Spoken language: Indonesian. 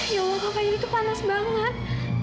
ya allah kak fadil itu panas banget